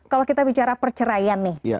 kalau kita bicara perceraian nih